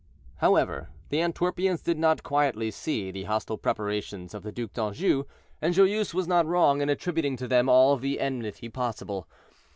However, the Antwerpians did not quietly see the hostile preparations of the Duc d'Anjou, and Joyeuse was not wrong in attributing to them all the enmity possible.